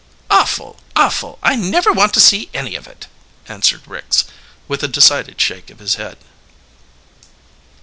"Awful! Awful! I never want to see any of it," answered Ricks, with a decided shake of his head.